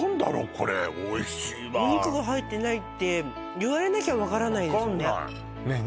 これおいしいわお肉が入ってないって言われなきゃ分からないですよね分かんないねえ